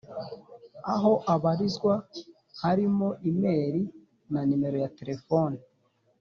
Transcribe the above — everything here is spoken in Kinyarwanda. aho abarizwa harimo e mail na nimero ya telefone